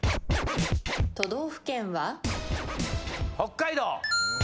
都道府県は？北海道。